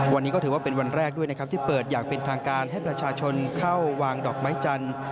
วันนี้ก็ถือว่าเป็นวันแรกด้วยนะครับที่เปิดอย่างเป็นทางการให้ประชาชนเข้าวางดอกไม้จันทร์